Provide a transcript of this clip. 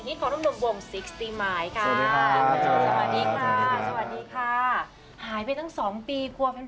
ให้เธอทำคำคำนี้เอาไว้